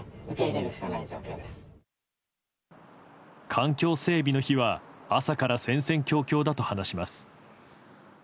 環境整備の日は朝から戦々恐々だと話します。